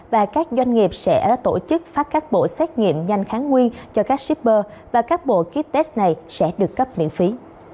và các doanh nghiệp sẽ tổ chức phát các bộ xét nghiệm nhanh kháng nguyên cho các shipper và các bộ kites này sẽ được cấp miễn phí